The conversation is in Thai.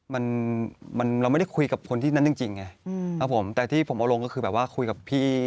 มันมันเราไม่ได้คุยกับคนที่นั้นจริงจริงไงครับผมแต่ที่ผมเอาลงก็คือแบบว่าคุยกับพี่